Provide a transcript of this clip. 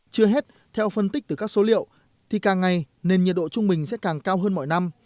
chưa hết theo phân tích từ các số liệu thì càng ngày nền nhiệt độ trung bình sẽ càng cao hơn mọi năm